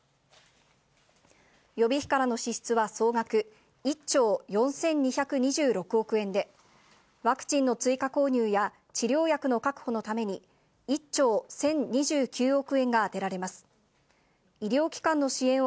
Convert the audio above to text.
予備費からの支出は、総額１兆４２２６億円で、ワクチンの追加購入や治療薬の確保のために、１兆１０２９億円が充てられます。